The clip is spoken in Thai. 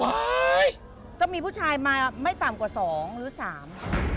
ว้ายต้องมีผู้ชายมาไม่ต่ำกว่าสองหรือสาม